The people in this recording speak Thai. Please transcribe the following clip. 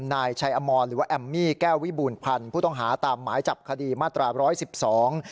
นายชัยอมรหรือว่าแอมมี่แก้ววิบูรณพันธ์ผู้ต้องหาตามหมายจับคดีมาตราร้อยสิบสอง